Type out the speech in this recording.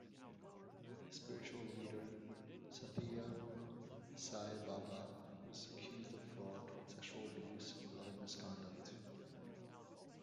Spiritual leader Sathya Sai Baba was accused of fraud, sexual abuse and other misconduct.